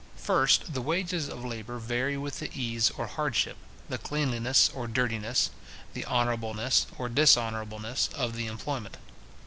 First, the wages of labour vary with the ease or hardship, the cleanliness or dirtiness, the honourableness or dishonourableness, of the employment.